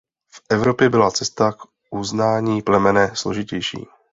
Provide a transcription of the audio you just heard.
V Evropě byla cesta k uznání plemene složitější.